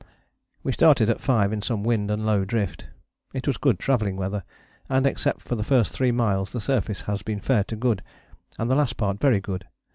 We started at five in some wind and low drift. It was good travelling weather, and except for the first three miles the surface has been fair to good, and the last part very good.